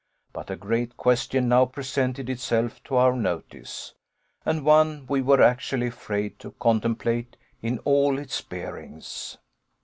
But a great question now presented itself to our notice, and one we were actually afraid to contemplate in all its bearings.